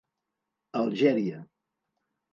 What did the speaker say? Algèria.